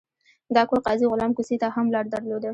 دا کور قاضي غلام کوڅې ته هم لار درلوده.